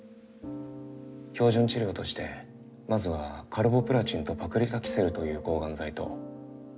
標準治療としてまずはカルボプラチンとパクリタキセルという抗がん剤と。